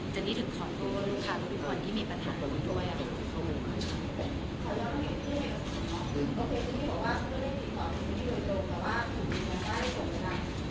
จริงถึงขอโทษลูกค้าทุกคนที่มีปัญหาของคุณด้วยอะ